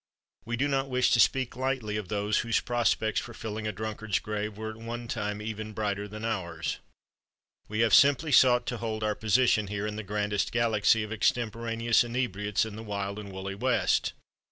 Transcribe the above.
We do not wish to speak lightly of those whose prospects for filling a drunkard's grave were at one time even brighter than ours. We have simply sought to hold our position here in the grandest galaxy of extemporaneous inebriates in the wild and woolly West.